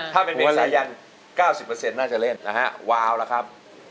ถ้าเป็นเพลงสายัน๙๐น่าจะเล่นว้าวล่ะครับ